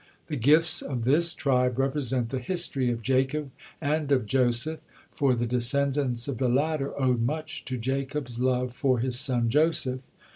The gifts of this tribe represent the history of Jacob and of Joseph, for the descendants of the latter owed much to Jacob's love for his son Joseph.